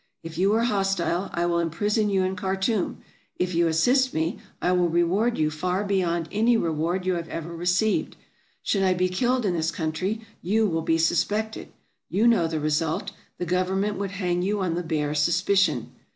If you are hostile, I will im prison you in Khartoum ; if you assist me, I will reward you far beyond any reward you have ever received. Should I be killed in this country, you will be suspected ; you know the result ; the Government would hang you on the bare sus picion.